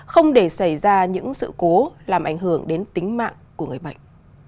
không để xảy ra những sự cố làm ảnh hưởng đến tính mạng của người bệnh